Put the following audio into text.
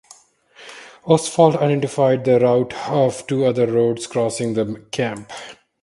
Oswald identified the route of two other roads crossing the camp.